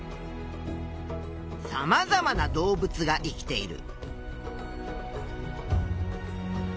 さまざまな動物が生きている。